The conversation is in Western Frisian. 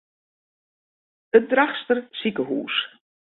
It Drachtster sikehûs.